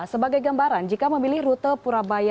sebagai gambaran jika memilih rute purabaya